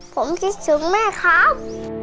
ผมคิดถึงแม่ครับ